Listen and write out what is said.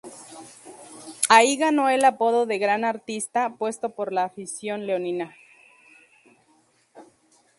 Ahí ganó el apodo de "Gran Artista", puesto por la afición leonina.